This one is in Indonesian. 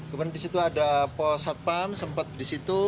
kemudian di situ ada posat pam sempat di situ